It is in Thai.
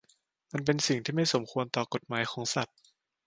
มันเป็นสิ่งที่ไม่สมควรต่อกฎหมายของสัตว์